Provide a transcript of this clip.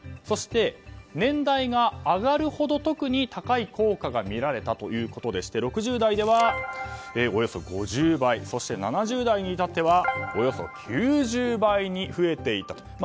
そして、年代が上がるほど特に高い効果がみられたということでして見られたということでして６０代では、およそ５０倍そして、７０代に至ってはおよそ９０倍に増えていたと。